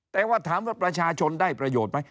แต่ว่าถามว่าประชาชนได้ประโยชน์ไหม